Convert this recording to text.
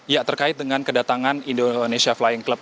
ya terkait dengan kedatangan indonesia flying club